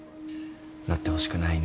なってほしくないね。